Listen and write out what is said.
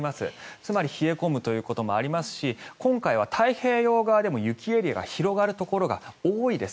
つまり冷え込むということもありますし今回は太平洋側でも雪エリアが広がるところが多いです。